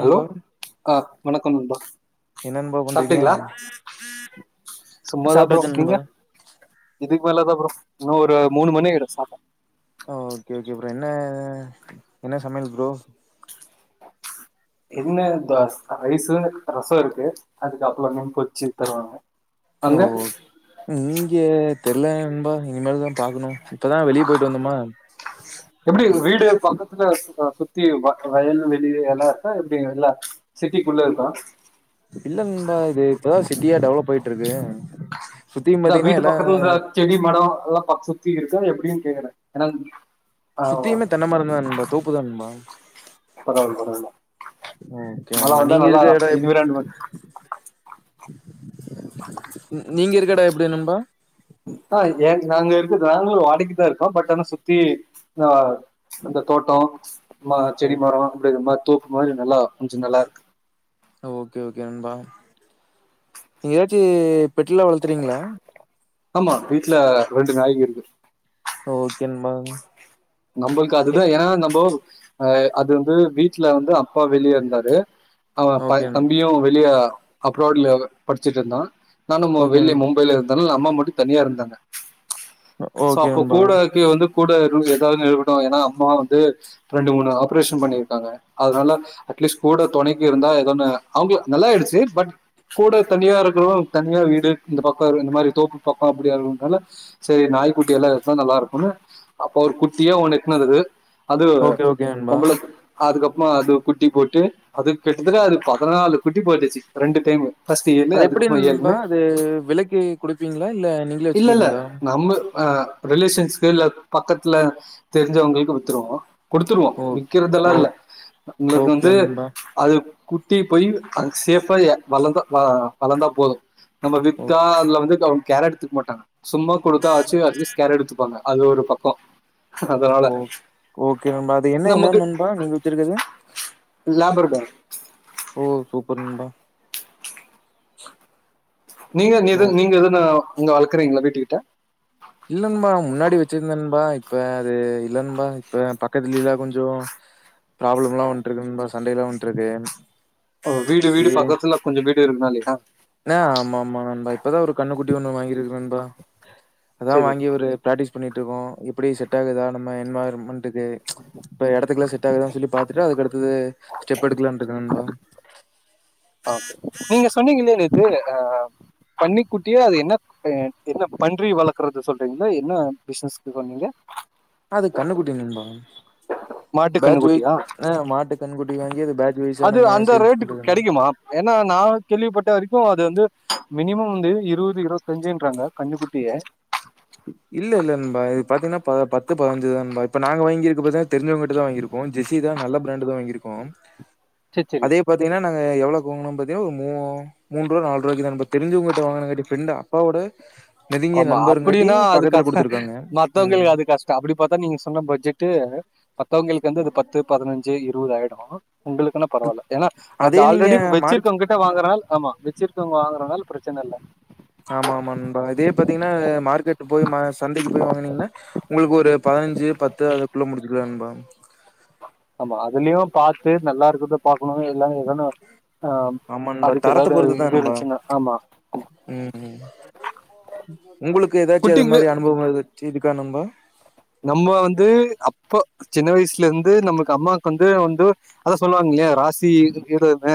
Hello ஆ வணக்கம் நண்பா என்ன நண்பா பண்றீங்க சாப்பிங்களா சும்மா தா ப்ரோ சாப்ட்டாச்சு நண்பா நீங்க இதுக் [inaudible] இல்ல ப்ரோ இன்னும் ஒரு மூணு மணி சாப்ட ஓகே ஓகே ப்ரோ என்ன என்ன சமையல் ப்ரோ என்ன பாஸ் ரைஸு ரசம் இருக்கு அதுக்கு அப்ளமே பொரிச்சு தருவாங்க ஓ அங்க இங்க தெர்ல ன்பா இனிமேல் தா பாக்குணு எப்டி [unintelligible] வீடே பக்க [unintelligible] சுத்தி வ வயல் வெளி எல்லா இருக்கா எப்டி எல்லா சிட்டிக்குள்ள இருக்கா இல்லம்பா இது இப்ப தா சிட்டியா டெவலப் ஆயிட்ருக்கு ந்தா வீட்டு பக்கத்துல செடி மட அதெல்லா [unintelligible] [unintelligible] இருக்கா எப்டின் கேக்குறே ஏனா சுத்தியுமே தென்ன மரம் தா நண்பா தோப்பு தா நண்பா பரவால்ல பரவால ஓகே மழ நண்பா வந்தா நீங்க நல்லா இருக்க எடோ எப் என்விரான்மென்ட் நீங்க இருக்க எட எப்டி நண்பா ஆ ஏங் நாங்க இருக்க நாங்களு வாடைக்குதா இருக்கோ பட் ஆனா சுத்தி ஆ அந்த தோட்ட மா ஓ செடி மர அப்டிங்ற மார் தோப்பு மாரி நல்லா கொஞ்ச நல்லாருக்கு ஓகே ஓகே நண்பா நீங்க எதாச்சி பெட்லா வளத்துறிங்ளா டுல ரெண்டு நாய்ங்க இருக்கு ஓகே நண்பா நம்புளுக்கு அதுதா ஏனா நம்போ அ அது வந்து வீட்ல வந்து அப்பா வெளிய இருந்தாரு அவுங்கப்ப ஓகே தம்பியு வெளிய அப்ராடுல படிச்சுட்ருந்தா நானும் ஓகே வெளிய நண் மும்பைல இருந்தன்ல அப் அம்மா மட்டு தனியா இருந்தாங்க சோ ஓகே அப்ப நண்பா. கூடக்கி வந்து கூட ரூச ஏன்னா அம்மா வந்து ரெண்டு மூணு ஆபரேஷன் பண்ணிருக்காங்க அதனால அட்லிஸ்ட் கூட தொணைக்கு இருந்தா எதோ ஆங் அவங்க நல்லாயிடுச்சு பட் கூட தனியா இருக்குறோ தனியா வீடு இந்த பக்கம் இந்த மாரி தோப்பு பக்கம் அப்டியா இருனால சரி நாய்குட்டி எல்லா இருந்தா நல்லா இருக்கும்னு அப்ப குட் தியோ உனக்கு நல்லது அது ஓகே, ஓகே நண்பா. பொம்பள அதுக்கப் வ அது குட்டி போட்டு அது கிட்டத்தட்ட அது பதினாலு குட்டி போட்டுச்சு ரெண்டு டைமு அது எப்படி ண்பா அது விலைக்கு குடுப்பீங் ப இல்ல நீங்களே வச்சுக்கீங்களா ஆஹ் ரிலேஷன்ஸ்கு இல்ல பக்கத்துல தெரிஞ்சவங்களுக்கு வித்துருவோ கொடுத்துருவோ ஓ விகிறதெல்லா ஓ இல்ல உங்களுக்கு ஓகே வந்து நண்பா. அது குட்டி பொய்ர் அ சேஃப்பா வளர்ந்தா வ வளர்ந்தா போது நம்ம ஓ வி்த்தா அதுல வந்து க கேரட் து மொடாங்க சும்மா கொடுத்தா அச்சு அட்லீஸ்கேர் எடுத்துபாங்க அது ஒரு பக்கோ ஓ ஓகே நண்பா அது என்ன என்ன நமக்கு ஏணா நீங்க வச்சிருக்கது லேப்ரடார். ஓ சூப்பர் நண்பா நீங்க ஓ நீது நீங்க எதுன அங்க வள்க்றீங்களா வீட்டுக்கிட்ட இல்ல ன்னபா முன்னாடி வச்சிருந்தேன் நண்பா இப்ப அது இல்ல ணன்பா இப்ப பக்கத்துல எல்லாம் கொஞ்சம் ப்ராப்ளம் எல்லாம் வந்துட்டு இருக்கு ண்பா சண்டேல வந்துட்டு இருக்கு வீடு வீடு பக்கத்துல கொஞ்ச வீட் [unintelligible] லேட்டா நெ ஆமா ஆமா நண்பா இப்பதான் ஒரு கண்ணுக்குட்டி ஒண்ணு வாங்கியிர்க்ண்பா அதான் சரி. வாங்கி ஒரு பிராக்டிஸ் பண்ணிட்டு இருகோ எப்படி செட் ஆகுதா நம்ம என்வாய்ர்ன்மெண் [unintelligible] இப்ப இடத் இதுக்களாம் செட் ஆகுதானு சொல்லி பாத்துட்டுப் அதுக்கடுத்தது ஸ்டெப் எடுக்கலான்றிக்கே நண்பா ஓகே நீங்க சொன்னீங்கள்ள நேத் து அஹ் பண்ணி குட்டியே அது என்ன என்ன பன்றி வளக்கறது சொல்றீங்களா என்ன பிசினஸ் பண்ணீங்க அது கண்ணுக்குட்டி நண்பா மாட்டு கன்னு பேட்ச் வைஸ் குட்டியா ஆ மாட்டு கன்னுக்குட்டி வாங்கி அது பேட்ச் வைஸா அது நம்ம அந்த சேல்ஸ் ரேட்டுக்கு பண்றது நண்பா. கெடைக்குமா ஏன்னா நான் கேள்விப்பட்ட வரைக்கும் இது வந்து மினிமம் வந்து இருவது இருவத்தஞ்சுன்றாங்க கன்னுக்குட்டிய பத்து பதினஞ்சு தானபாய் இப்ப நாங்க வாங்கிர்கப்பதா தெரிஞ்சவங்கிட்ட தான் வாங்கிருக்கோம் ஜெசி தான் நல்ல பிராண்டு தான் வாங்கிருக்கோம் சரி சரி அதே பாத்தீங்கன்னா நாங்க எவ்வளவுக்கு வாங்குனோம் பாத்தீங்கன்னா ஒரு மூ மூண்ரூவா நால் ரூவாக்கி தா நண்பா தெரிஞ்சவங்கிட்ட வாங்குணோங்காட்டி ஃப்ரெண்ட் அப்பாவோட நெருங்கிய நண்பருங்க னா அது காக மத்தவங்களுக்கு அது கஷ்டம் அப்டி பாத்தா நீங்க சொன்ன பட்ஜெட்டு மத்தவங்களுக்கு வந்து அது பத்து பதினஞ்சு இரு இருவதாய்டும் உங்குளுக்குனா பரவால ஏன்னா அது அதே நீங்க ஆல்ரெடி மார்க் வச்சிருக்கவுங்க கிட்ட வாங்கனால் ஆமா வச்சிருக்கவுங்க வாங்கனால் ப்ரச்சன இல்ல ஆமா ஆமா நண் பா இதே பாத்தீங்னா மார்க்கெட்டு போய் ம சந்தைக்கு போய் வாங்கினீங்னா உங்குளுக்கு ஒரு பதினஞ்சு பத்து அதுக்குள்ள முடிச்சுக்குலா நண்பா [inaudible] ஆமா அதுலியு பாத்து நல்லா இருக்குத பாக்குனோ எல்லாமே எதனால் ஆமா நண்பா தரத்த பொறுதுதா நண்பா இருந்துச்சுன்னா ஆமா உம் உம் உங்குளுக்கு ஏதாச்சு அது குட்டிக்கு மாரி அனுபவம் ஏதாச்சு இரு க்கா நண்பா நம்ம வந்து அப்போ சின்ன வய்ஸ்ல இருந்து நமக்கு அம்மாக்கு வந்து வந்து அதா சொல்லுவாங்க இல்லையா ராசி [unintelligible] ச்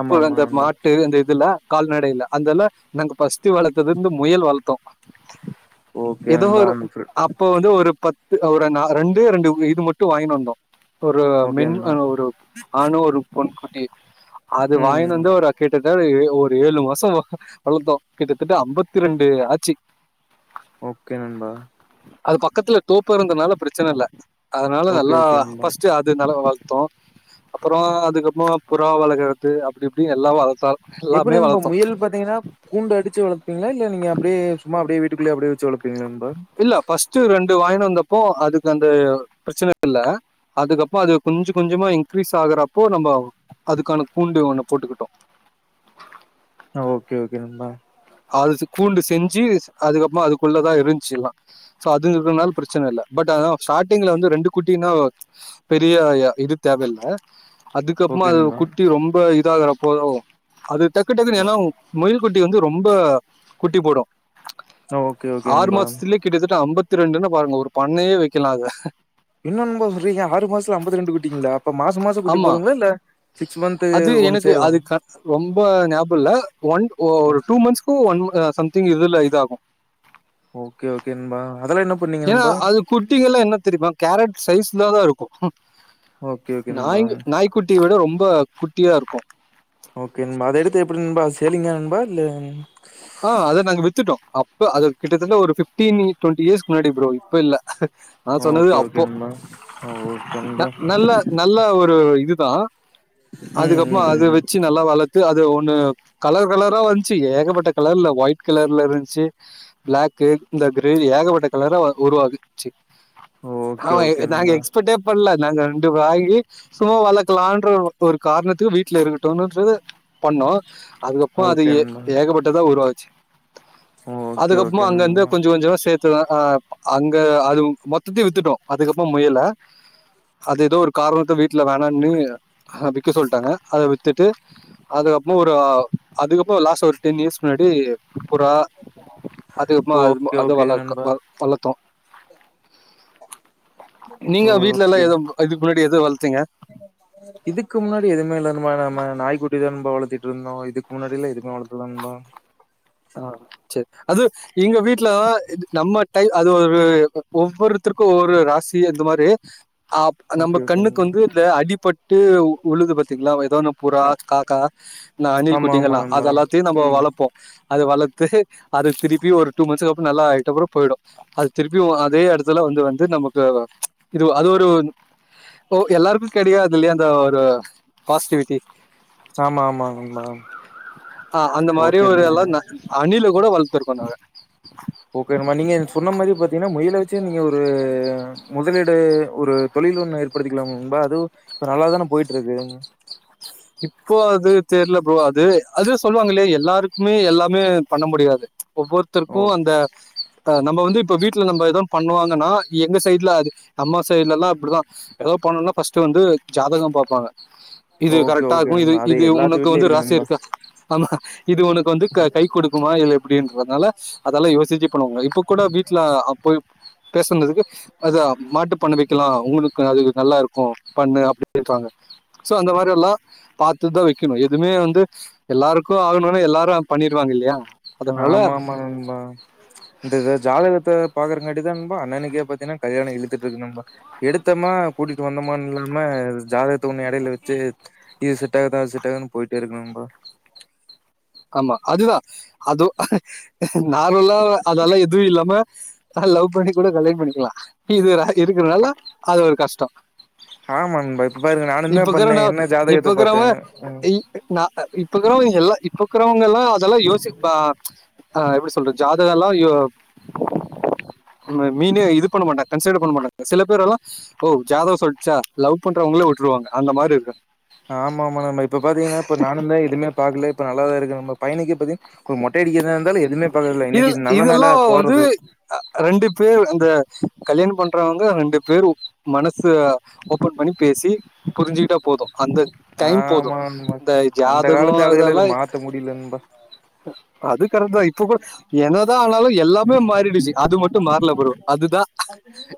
ஆமா ஆமா அந்த நண்பா மாட்டு அந்த இதுல கால்ந கடையில்லா அந்தலா நாங்க ஃபர்ஸ்ட் வளத்தது வந்து முயல் வளத்தோ ஓகே நண்பா [inaudible] இப்ப வந்து ஒரு பத் அ ஒரு நா ரெண்டே ரெண்டு இது மட்டு வாங்கின் வந்தோ ஒரு ஓகே மென் நண்பா ஆஹ் ஒரு ஆணு ஒரு பொன் ஏக் அது ம் வாயின்னு வந்து ஒரு கிட்ட [unintelligible] ஒரு ஏழு மாசோ வளத்தோ கிட்ட தட்ட தட்ட அம்பத்தி ரெண்டு ஆச்சி ஓகே நண்பா அது பக்கத்துல தோப்பா இருந்ததுனால பிரச்சன இல்ல அதனால ஓகே நல்லா ஓகே நண்பா ஃபஸ்ட்டு அது நல்லா வளத் தோ அப்பறோ அதுக்கப்பறோ புறா வளர்கறது அப்டி இப்டினு எல்லா வளத்தால் எப்டி நண்பா முயல் பாத்தீங்னா கூண்டு அடிச்சு வள ங்களா இல்ல நீங்க அப்டே சும்மா அப்டே வெ வீட்டுக்குள்ளே அப்டே வச்ச வளப்பிங்களா இல்ல ஃபஸ்ட்டு ரெண் டு வாயின் வந்தப்போ அதுக்கு அந்த பிரச்சன இல்ல அதுக்கப்போ அது கொஞ்சோ கொஞ்சோமா இன்கிரீஸ் ஆகுறப்போ நம்ப அதுக்கான கூண்டு ஒன்ன போட்டுக்கிட்டோ ஆ ஓகே ஓகே நண்பா அதுக் கூண்டு செஞ்சு அதுக்கப்பறமா அதுக்குள்ளதா இரின்ச்சி எல்லா சோ அது இருகறதுனால பிரச்சன இல்ல பட் அதா ஸ்டார்ட்டிங்ல வந்து ரெண்டு குட்டினா பெரிய இது தேவயில்ல அதுக்கப்பம்மா ஓகே அதொட நண்பா குட்டி ரொம்ப இ கிற போதோ அது டக்கு டக்குனு ஓ என்னாவு முயல் குட்டி வந்து ரொம்ப குட்டி போடும். ஓகே ஓகே ஆறு நண்பா மாசத்துலயே கிட்டத்தட்ட ஐம்பத் ஐம்பத்தி ரெண்டுன்ன பாருங்க ஒரு பண்ணையே வைக்கலாம் அத என்னநண்பா சொல்றீங்க ஆறு மாசத்துல ஐம்பத்தி ரெண்டு குட்டிங்களா அப்ப மாச மாசம் குட்டி ஆமா போடுங்களா, இல்ல சிக்ஸ் மந்த் அது ஒண்ஸ் எனக்கு அது தானா க- ரொம்ப ஞாபகம் இல்ல ஒன் ஒரு டூ மந்த்ஸ்க்கும் ஒன் சம்திங் இதுல இத ஆகும் ஓகே ஓகே என்பா ஏன்னா அது குட்டி எல்லாம் என்ன தெரியுமா கேரட் சைஸ் இல்லாதா இருக்கும் ம் ஓகே ஓகே நண்பா நாய் நாய்க்குட்டி விட ரொம்ப குட் ட்டியா இருக்கும் ஓகே நண்பா அதை எடுத்து எப்படி நண்பா சேல்லீங்க நண்பா இல்ல ஆஹ் அத நாங்க வித்துட்டோம். இப்போ அது கிட்டதட்ட ஒரு பிப்டீன் ஏய்டின் இயர்ஸ்க்கு முன்னாடி ப்ரோ இப்ப இல்ல நான் சொன்னது ஓகே அப்போ ஓகே நண்பா ஓகே நண்பா நல்ல நல்ல ஒரு இது ஹலோ ம் ம் அதுக்கப்புறம் ம் அது ம். வச்சு நல்லா வளர்த்து அது ஒண்ணு கலர் கலரா வந்துச்சி ஏக பட்ட கலர்ல ஒயிட் கலர்ல இருந்துச்சு பிளாக்கு இந்த கிரே ஏகப்பட்ட கலரா உருவாகச்சு ஓகே ஓகே அவஹ் நாங்க நண்பா எக்ஸ்பர்டே பண்ணல நாங்க ரெண்டு வாங்கி சும்மா வளர்க்கலான் என்ற ஒரு காரணத்துக்கு வீட்டுல இருக்கட்டோன்று பண்ணோம். அதுக்கப்புறம் அது ஓகே எ நண்பா ஏகப்பட்ட புரோச்சு ஓகே அதுக்கப்புறமா ஓகே அங்க அங்க நண்பா கொஞ்சோ கொஞ்சோ சேத்து து அ அங்க அது மொத்தத்தையு வித்துட்டோ. அதுக்கப்புறோ முயல அது ஏதோ ஒரு காரணத்த வீட்ல வேணானு விக்க சொல்ட்டாங்க அத வித்துட்டு அதுக்கப்புறோ ஒரு அதுக்கப்புறோ லாஸ்ட் வருஷோ டெண்யியர்ஸ் முன்னாடி புறா அதுக்குப்புறமா அது ஓகே அத வள ஓகேங்க நண்பா வளர்த்தோ நீங்க வீட்ல எல்லா ஓகே எதுவு இதுக்கு முன்னாடி... எது வள் இதுக்கு முன்னாடி எதுவுமே இல்ல நம்ம நம்ம நாய்க்குட்டிதா நண்பா வளத்திட்டு இருந்தோ இதுக்கு முன்னாடி எல்லா எதுவுமே வளக்கள நண்பா ஆஹ் சேரி அது எங்க வீட்ல நம்ம டை அது ஒரு ஒவ்வொருத்தருக்கு ஒவ்வொரு ராசி இந்த மாதிரி அ நம்ம ஓகே ஓகே கண்ணுக்கு நண்பா வந்து இந்த அடிப்பட் பட்டு வுழுது பாத்தீங்ளா ஏதோ ஒன்னு புறா ஆ காக்கா ந அணில் ஆமா குட்டிங்க ஆமா எல்லா நண்பா அதெல்லாத்தையு நம்ம ம் வளரப்போ அத வளத்து அத திருப்பி ஒரு டூ மந்த்ஸ்க்கு அப்புறோ நல்லா ஆயிட்டப்புறம் போயிடு அது திருப்பி அதே இடத்துல வந்து வந்து நமக்கு இது அது ஒரு எல்லாருக்கு கிடையாது இல்லையா அந்த ஒரு பாசிட்டிவிட்டி ஆமா ஆமா ஆமா ஓகே நண்பா நீலு கூட வளத்திற்கோ நாங்க ஓகே நண்பா நீங்க சொன்ன மாரி பாத்தீங்கன்னா முயல வச்சே நீங்க ஒரு முதலீடு ஒரு தொழில் ஒன்னு ஏற்படுத்திக்கலாம் நண்பா அதுவும் நல்லா தானே போயிட்டு இருக்கு இப்போ அது தெரில ப்ரோ அது அது சொல்லுவாங்கல்ல எல்லாருக்குமே எல்லாமே பண்ண முடியாது ஓ ஒவ்வொருத்தருக்கு அந்த நம்ம வந்து இப்போ வீட்ல நம்ம எதவு பண்ணுவாங்கன்னா எங்க சைடுல அது அம்மா சைடுல எல்லா அப்படிதா எதோ பண்ணோனா ஃபர்ஸ்ட்டு வந்து ஜாதகம் பாப்பாங்க இது ஓகே கரெக்ட் ஓகே இது நண்பா அது இது எல்லாத்து உனக்கு வீட்லயு வந்து இருக்கு ராசியா நண்பா இருக்கா ஆமா இது உனக்கு வந்து கை கை கொடுக்குமா இல்ல எப்படின்றதுனால ஸ் அதெல்லா யோசிச்சிப் இப்ப நம்ம இப்ப கூட வீட்ல அப் பேசினதுக்கு அத மாட்டுப் பண்ண வெக்கலா உங்களுக்கு அது நல்லா இருக்கு பண்ணு அப்படின்றாங்க சோ அந்த மாரி எல்லா பாத்துதா வெக்கணு எதுவுமே வந்து எல்லாருக்கு ஆகுணும்னா எல்லாரு பண்ணிருவாங்க இல்லயா ஆமா ஆமா நண்பா இந்த ஜாதகத்த பாக்குறங்காட்டிதா நண்பா அண்ணனுக்கே பாத்தீனா கல்யாணோ இழுத்துட்டு இருக்கு நண்பா எடுத்தமா கூட்டிட்டு வந்தமானு இல்லாம ஜாதகத்தை ஒன்னு எடைல வெச்சு இது செட் ஆகுதா அது செட் ஆகுதான்னு போயிட்டே இருக்கு நண்பா ஆமா அதுதா அதோ நார்மலா அதெல்லா எதுவு இல்லாம அ லவ் பண்ணி கூட கல்யாணம் பண்ணிக்கலா இது ராய் இருக்கிறதுனால அது ஒரு கஷ் டோ ஆமா நண்பா இப்ப பாருங்க நானு தா பண்ணே நா என்ன ஜாதகத்த பாத்தே உம் இப்பருக்கிறவங்க எல்லா இப்பருக்குறவங்க எல்லா இதெல்லா யோசிப்பா ஆ எப்டி சொல்றது ஜாதக எல்லா எப் மீனு இது பண்ண மாட்டா கன்சிடர் பண்ண மாட்டாங்க சில பேர் எல்லா ஓ ஜாதக சொல்லிச்சா லவ் பண்றவங்களே விட்டுருவாங்க அந்த மாரி இருக்கு ஆமா ஆமா நண்பா இப்ப பாத்தீங்கன்னா நம்ம பையனுக்கு இப்பதிக் ஒரு மொட்ட அடிக்கிறான் இது இதெல்லா வந்து போறது அ ரெண்டு பேர் அந்த கல்யாண பண்றவங்க ரெண்டு பேரு மனசு ஓப்பன் பண்ணி பேசி புரிஞ்சுக்கிட்டா போது அந்த டைம் போது ஆமா நண்பா இந்த அந்த ஜாதகோ காலத்து ஆளுகள இத இதெல்லா மாத்த முடியல நண்பா அது இப்போ இப்ப கூட என்னதா ஆனாலு எல்லாமே மாறிடுச்சி அது மட்டு மார்ல ப்ரோ அதுதா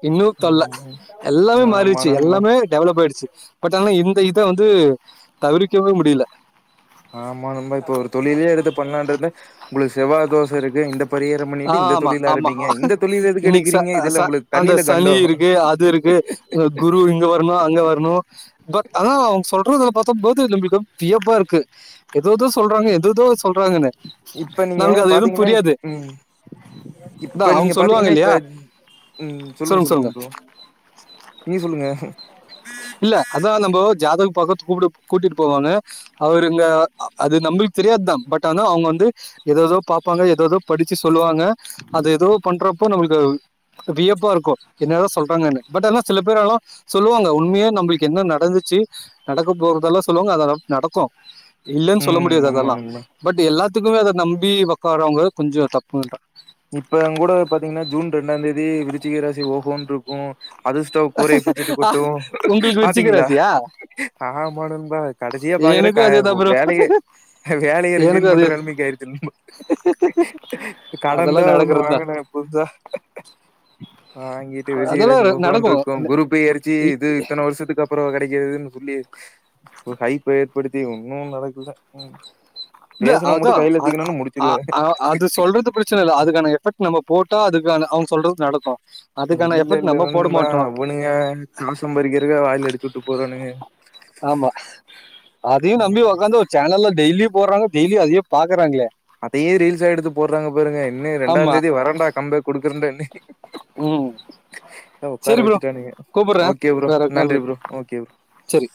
இன்னு தொல்ல ம் எல்லாமே ஆமா மாறிடுச்சு நண்பா எல்லாமே டெவலப் ஆயிடுச்சு பட் [unintelligible] இந்த இத வந்து தவிர்க்கவே முடியல ஆமா நண்பா இப்ப ஒரு தொழிலே எடுத்து பண்லான் இருந்தே உங்களுக்கு செவ்வா தோஷ இருக்கு இந்த பரிகாரம் ஆஹ பண்ணிட்டு இந்த ஆமா தொழில் ஆமா ஆரம்பிங்க இந்த தொழில் எதுக்கு இன்னைக்கு எடுக்கிறீங்க இதுல உங்களுக்கு அந்த தண்ணில சனி கண்டோ இருக்கு அது இருக்கு குரு இங்க வரணும் அங்க வர ப்றோ அதான் அவங்க சொல்ற பார்த்த [unintelligible] வியப்பா இருக்கு ஏததோ சொல்றாங்க எததோ சொல்றாங்கன்னு இப்ப நீங்க நமக்கு அது எதுவும் பாத்தீங்கன்னா புரியாது ம் இப்ப அதான் அவங்க நீங்க சொல்லுவாங்க பாத்தீங்கன்னா இப்ப இல்லையா? உம் சொல்லுங்க சொல்லுங்க ப்ரோ நீங்க சொல்லுங்க [unintelligible] இல்ல அத நம்ப ஜாதக பாக்க கூட்டிட்டு போவாங்க அவருங்க அது நம்மளுக்கு தெரியாதுதான் பட் ஆனா அவங்க வந்து ஏததோ பாார்ப்பாங்க ஏததோ படிச்சு சொல்லுவாங்க அது ஏதோ பண்றப்போ நம்மளுக்கு வியப்பா இருக்கும் என்னதான் சொல்றாங்குனு பட் ஆனா சில பேர்ல்லாம் சொல்லுவாங்கன்ன உண்ம்மைய நம்மளுக்கு என்ன நடந்துச்சு நடக்க போறதெல்லாம் சொல்லுவாங்க அத நமக்கு நடக்கும் இல்லலைன்னு சொல்ல ம் முடியாது ஆமா அதெல்லாம் நண்பா பட் எல்லா எல்லாதுக்குமே அதை நம்பி உக்காறவங்க கொஞ்சம் தப்பு தான் இப்ப கூட பாத்தீங்கன்னா ஜூன் ரெண்டாம் தேதி விருச்சிகீக ராசி ஓகோன்னு இருக்கும் அகஸ்டஸ் கூறய பிச்சுட்டு கொட்டும் உங்களுக்கு விரிச்சிக்க பாத்தீங்களா. ராசியா ஆமாபா கடைசியா பாக்குற எனக்கும் அதே தான் ப்ரோ வேலைய வேலையை ரிசைன் எனக்கும் அதே பண்றேம்பிங்க கடன் அதெல்லாம் தான் ஒண்ணு நடக்கிறது தான் வாங்கினே புதுசா வாங்கிட்டு விருச்சிக அதெல்லாம் ராசி ர- நடக்கும் ஓகோனிருக்கும் குருப்பெயர்ச்சி இ- இது இத்தன வருஷத்துக்கு அப்புறம் கிடைக்கதுன்னு ஒரு வாய்ப்ப ஏற்படுத்தி ஒன்னும் நடக்கல இல்ல பேசனவ மட்டு அதான். கையில வச்சுக்கணும்னு முடிச்சிருவே அந்த சொல்றது பிரச்சனை இல்லல்ல அதுக்கான எபக்ட் நம்ம போட்டா அதுக்கான அவங்க சொல்றது நடக்கும் அதுக்கான இல்ல எஃபெக்ட் நம்ம போட இல்லனன்பா மாட்டோம் அவனுங்க [unintelligible] வாயில அடிச்சுட்டு போறானுங்க ஆமா டெய்லியும் போறாங்க டெய்லி யும் அதே பாக்குறங்களே அதயே ரீல்ஸ்ஸா எடுத்து போடுறாங்க இங்க பாருங்க இன்னும் ரெண்டாம் தேதி வரண்டா கம் பேக் கொடுக்குறேன்டேய் உம் உட்கார வச்சுட்டானுங்க ஓகே ப்ரோ வேற கால் நன்றி வருது. ப்ரோ ஓகே சரி